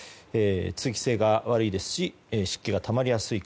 通気性が悪いですし湿気がたまりやすい。